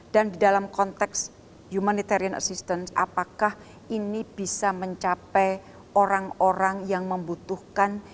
dan di dalam konteks humanitarian assistance apakah ini bisa mencapai orang orang yang membutuhkan